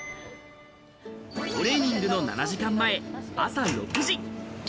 トレーニングの７時間前、朝６時。